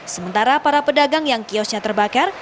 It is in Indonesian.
sementara para pedagang yang kiosnya terbakar